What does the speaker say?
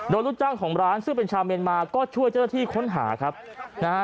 โดนรู้จักของร้านซึ่งเป็นชาวเมนมาก็ช่วยเจ้าที่ค้นหาครับนะฮะ